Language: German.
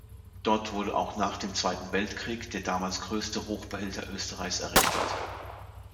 Dort wurde auch nach dem Zweiten Weltkrieg der damals größte Hochbehälter Österreichs errichtet.